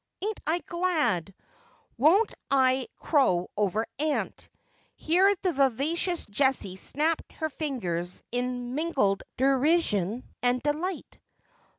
Ain't I glad ! Won't I ei'ow over aunt !' Here the vivacious Jessie snapped her fingers, in mingled derision aud delight.